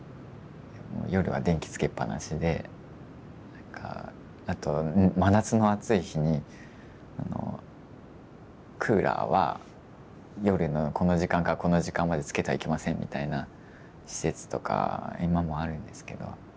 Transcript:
夜は電気つけっぱなしでなんかあと真夏の暑い日にクーラーは夜のこの時間からこの時間までつけてはいけませんみたいな施設とか今もあるんですけど。